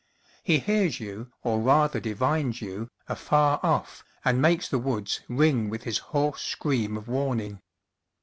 He hears you, or rather di vines you, afar off, and makes the woods ring with his hoarse scream of warning.